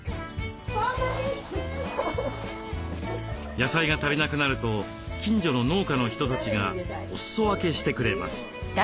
野菜が足りなくなると近所の農家の人たちがおすそ分けしてくれます。